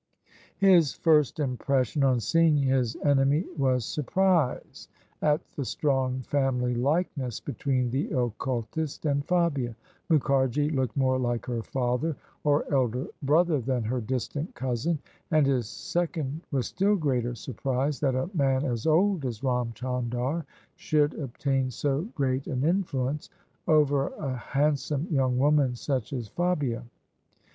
His first impression on seeing his enemy was surprise at the strong family likeness between the occultist and Fabia: Mukharji looked more like her father or elder brother than her distant cousin : and his second was still greater surprise that a man as old as Ram Chandar should obtain so great an influence over a handsome young woman such as Fabia.